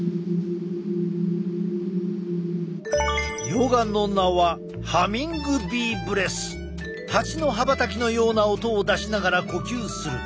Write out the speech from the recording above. ヨガの名はハチの羽ばたきのような音を出しながら呼吸する。